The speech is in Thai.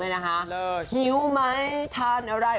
รู้มั้ยทานอะไร